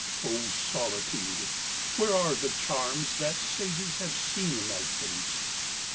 0 Solitude ! where are the charms That sages have seen in thy face